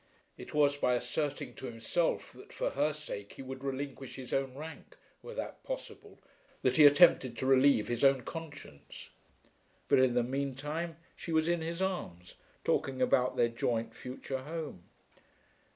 It was by asserting to himself that for her sake he would relinquish his own rank, were that possible, that he attempted to relieve his own conscience. But, in the mean time, she was in his arms talking about their joint future home!